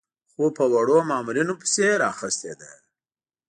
خو پر وړو مامورینو پسې یې راخیستې ده.